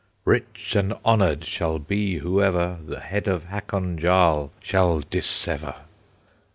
"Rich and honored shall be whoever The head of Hakon Jarl shall dissever!"